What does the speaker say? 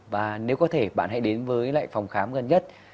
và nếu có thể bạn hãy đến với lại phòng khám gần nhất